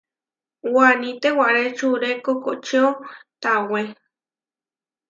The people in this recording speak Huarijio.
Waní tewaré čure kokočió tawé.